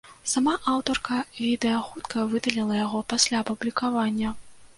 Сама аўтарка відэа хутка выдаліла яго пасля апублікавання.